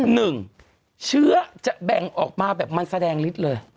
หนึ่งเชื้อจะแบ่งออกมาแบบมันแสดงฤทธิ์เลย